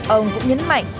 ông cũng nhấn mạnh